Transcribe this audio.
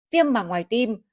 viêm mảng ngoài tim